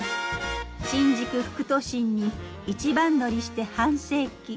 新宿副都心に一番乗りして半世紀。